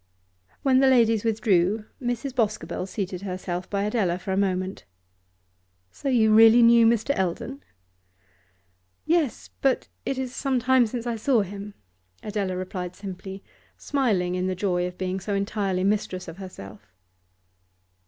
When the ladies withdrew Mrs. Boscobel seated herself by Adela for a moment. 'So you really knew Mr. Eldon?' 'Yes, but it is some time since I saw him,' Adela replied simply, smiling in the joy of being so entirely mistress of herself.